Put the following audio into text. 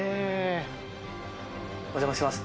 お邪魔します。